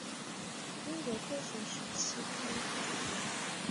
英国科学史期刊主编。